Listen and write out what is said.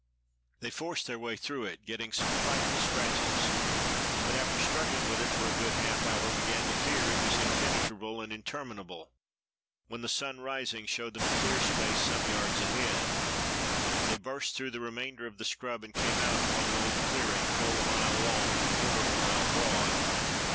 They forced their way through it, getting some frightful scratches, but after struggling with it for a good half hour, began to fear it was impenetrable and interminable, when the sun rising showed them a clear space some yards ahead. They burst through the remainder of the scrub, and came out upon an old clearing full a mile long and a quarter of a mile broad.